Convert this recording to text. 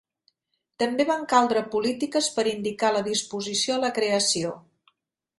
També van caldre polítiques per indicar la disposició a la creació.